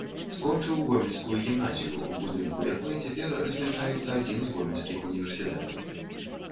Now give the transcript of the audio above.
Скончыў гомельскую гімназію, у будынку якой цяпер размяшчаецца адзін з гомельскіх універсітэтаў.